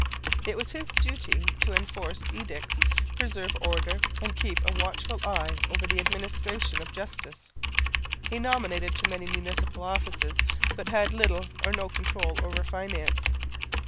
It was his duty to enforce edicts, preserve order, and keep a watchful eye over the administration of justice. He nominated to many municipal offices, but had little or no control over finance.